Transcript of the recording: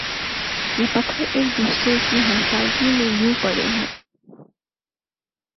یہ پتھر ایک دوسرے کی ہمسائیگی میں یوں پڑے ہیں